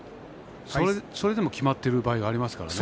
それでもきまっている場合もありますからね。